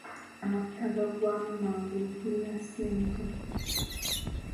Amafuta gaggwamu mangu n'ekunywa ssente.